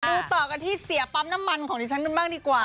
ดูต่อกันที่เสียปั๊มน้ำมันของดิฉันกันบ้างดีกว่า